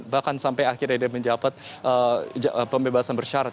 bahkan sampai akhirnya dia menjabat pembebasan bersyarat